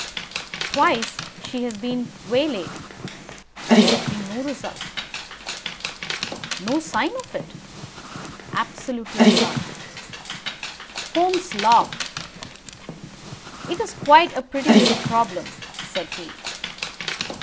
Twice she has been waylaid. There has been no result." "No sign of it?" "Absolutely none." Holmes laughed. "It is quite a pretty little problem," said he.